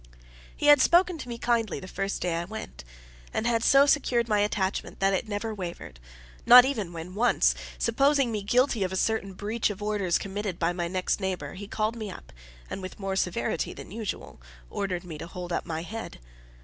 He had spoken to me kindly the first day I went, and had so secured my attachment that it never wavered, not even when, once, supposing me guilty of a certain breach of orders committed by my next neighbour, he called me up, and, with more severity than usual, ordered me to hold up my hand.